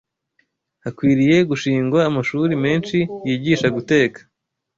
Hakwiriye gushingwa amashuri menshi yigisha guteka,